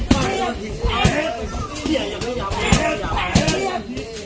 คุณพ่อมีลูกทั้งหมด๑๐ปี